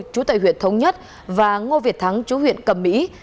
chú tại huyện thống nhất và ngô việt thắng chú huyện cẩm mỹ